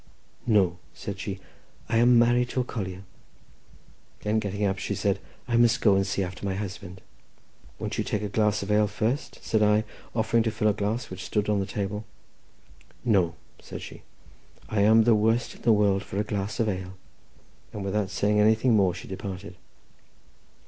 "No," said she, "I am married to a collier;" then getting up, she said, "I must go and see after my husband." "Won't you take a glass of ale first?" said I, offering to fill a glass which stood on the table. "No," said she; "I am the worst in the world for a glass of ale;" and without saying anything more she departed.